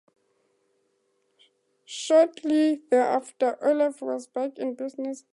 Shortly thereafter, Olaf was back in business, having regained the kingdom of York.